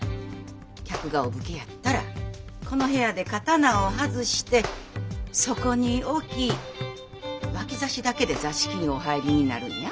客がお武家やったらこの部屋で刀を外してそこに置き脇差しだけで座敷にお入りになるんや。